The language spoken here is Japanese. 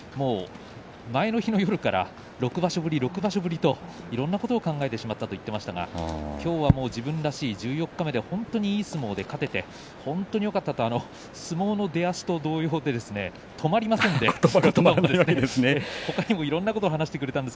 前の日の夜から６場所ぶりといろんなことを考えてしまったと言っていましたがきょうは自分らしい十四日目で本当にいい相撲で勝てて本当によかったと相撲の出足と同様止まりませんでほかにもいろんなことを話してくれました。